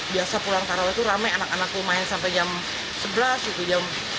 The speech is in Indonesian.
biasa pulang parawe itu rame anak anak itu main sampai jam sebelas